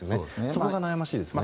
そこが悩ましいですね。